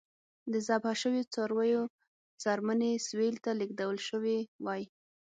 د ذبح شویو څارویو څرمنې سویل ته لېږدول شوې وای.